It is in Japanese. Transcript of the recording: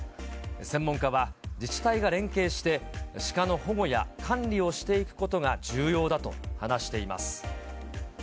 専門家は自治体が連携して、シカの保護や管理をしていくことが重要だと話しています。